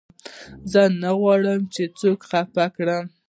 زه نه غواړم، چي څوک خفه کړم.